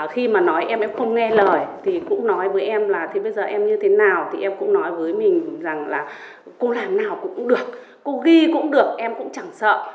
khi mà nói em không nghe lời thì cũng nói với em là bây giờ em như thế nào thì em cũng nói với mình rằng là cô làm nào cũng được cô ghi cũng được em cũng chẳng sợ